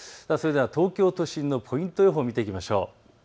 東京都心のポイント予報を見ていきましょう。